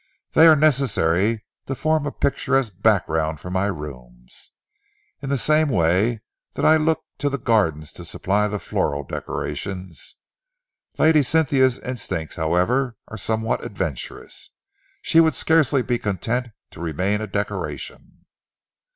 They are necessary to form a picturesque background for my rooms, in the same way that I look to the gardeners to supply the floral decorations. Lady Cynthia's instincts, however, are somewhat adventurous. She would scarcely be content to remain a decoration."